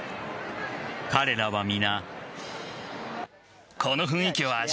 彼らは皆。